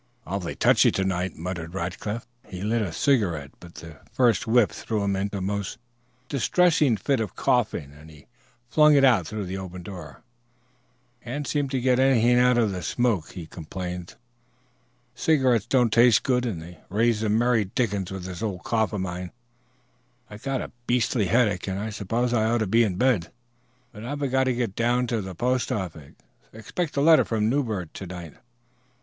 "Awful touchy to night," muttered Rackliff. He lighted a cigarette, but the first whiff threw him into a most distressing fit of coughing and he flung it out through the open door. "Can't seem to get anything out of a smoke," he complained. "Cigarettes don't taste good, and they raise the merry dickens with this old cough of mine. I've got a beastly headache, and I suppose I ought to be in bed, but I've got to go down to the postoffice. Expect a letter from Newbert to night."